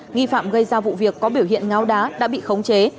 nghi phạm gây ra vụ việc có biểu hiện ngáo đá đã bị khống chế